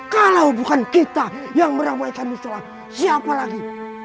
kalau bukan kita yang meramaikan musola siapa lagi